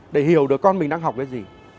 để hiểu được con mình đang học cái gì